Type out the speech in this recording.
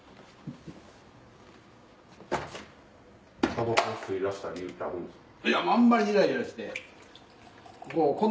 たばこを吸い出した理由ってあるんですか？